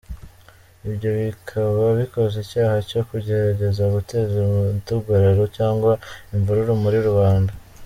Ibyo bikaba bikoze icyaha cyo kugerageza guteza imidugararo cyangwa imvururu muri rubanda.